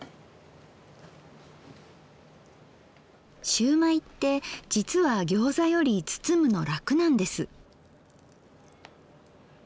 しゅうまいってじつはギョーザより包むの楽なんです。